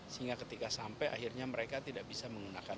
sehingga ketika sampai akhirnya mereka tidak bisa menggunakan